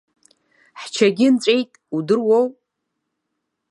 Ҳчагьы нҵәеит, удыруоу.